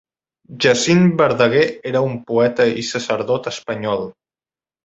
Jacint Verdaguer era un poeta i sacerdot espanyol.